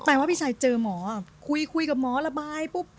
ว่าพี่ชายเจอหมอคุยคุยกับหมอระบายปุ๊บ